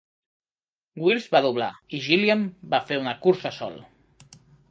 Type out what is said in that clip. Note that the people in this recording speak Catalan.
Wills va doblar i Gilliam va fer la cursa sol.